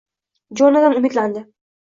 Jonatan umidlandi